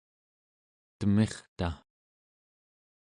temirta